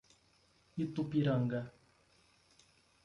Itupiranga